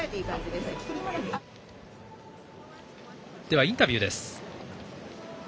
では、インタビューです。